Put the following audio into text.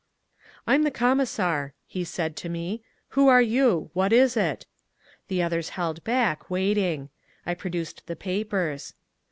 "I'm the Commissar," he said to me. "Who are you? What is it?" The others held back, waiting. I produced the papers.